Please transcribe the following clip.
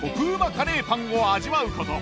カレーパンを味わうこと。